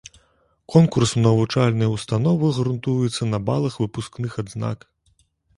Конкурс у навучальныя ўстановы грунтуецца на балах выпускных адзнак.